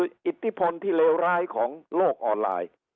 คืออิทธิพลที่เลวร้ายของโลกออนไลน์